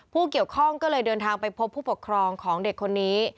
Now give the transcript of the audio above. ผู้เกี่ยวข้องก็เลยเดินทางไปพบผู้ปกครองของเด็กคนนี้